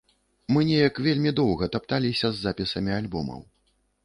Мы неяк вельмі доўга тапталіся з запісамі альбомаў.